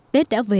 tết đã về